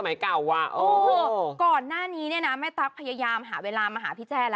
ในทุกวันนี้ก็เพราะเขานะเพราะพี่แจ้นะ